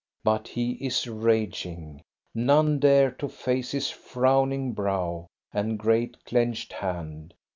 But he is raging ; none dare to face his frowning brow and great clenched hand.